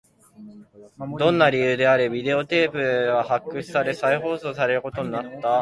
どんな理由であれ、ビデオテープは発掘され、再放送されることになった